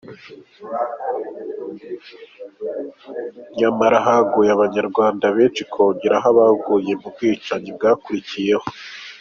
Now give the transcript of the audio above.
Nyamara haguye abanyarwanda benshi kongeraho abaguye mu bwicanyi bwakurikiyeho.